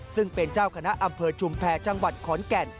ซึ่งเป็นเจ้าคณะอำเภอชุมแพรจังหวัดขอนแก่น